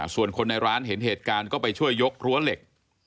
ส่วนคนในร้านเห็นเหตุการณ์ก็ไปช่วยยกรั้วเหล็ก